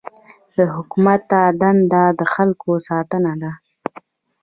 د حکومت دنده د خلکو ساتنه ده.